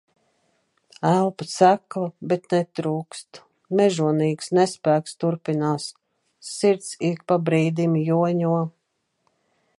Elpa sekla, bet netrūkst. Mežonīgs nespēks turpinās. Sirds ik pa brīdim joņo...